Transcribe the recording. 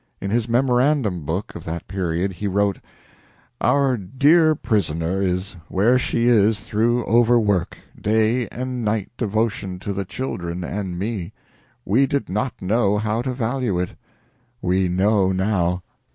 In his memorandum book of that period he wrote: "Our dear prisoner is where she is through overwork day and night devotion to the children and me. We did not know how to value it. We know now."